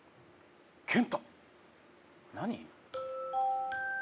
健太何？